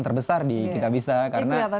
terbesar di kitabisa karena